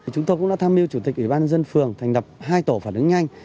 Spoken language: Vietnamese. chúng tôi cũng đã tham mưu chủ tịch ủy ban dân phường thành lập hai tổ phản ứng nhanh